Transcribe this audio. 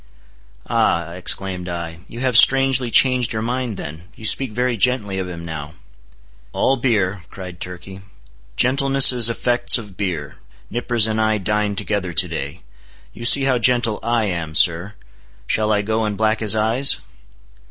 "Ah," exclaimed I, "you have strangely changed your mind then—you speak very gently of him now." "All beer," cried Turkey; "gentleness is effects of beer—Nippers and I dined together to day. You see how gentle I am, sir. Shall I go and black his eyes?"